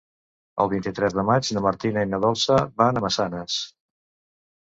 El vint-i-tres de maig na Martina i na Dolça van a Massanes.